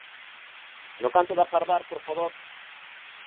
No canto de agardar por Godot.